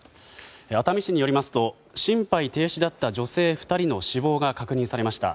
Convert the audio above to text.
熱海市によりますと心肺停止だった女性２人の死亡が確認されました。